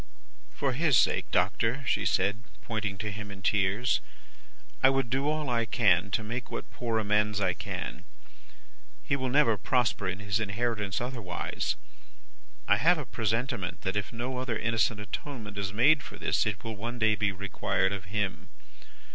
"'For his sake, Doctor,' she said, pointing to him in tears, 'I would do all I can to make what poor amends I can. He will never prosper in his inheritance otherwise. I have a presentiment that if no other innocent atonement is made for this, it will one day be required of him.